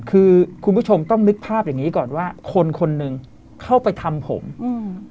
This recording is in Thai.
คือคุณผู้ชมต้องนึกภาพอย่างงี้ก่อนว่าคนคนหนึ่งเข้าไปทำผมอืม